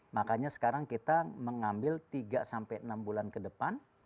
makanya sekarang kita mengambil tiga sampai enam bulan ke depan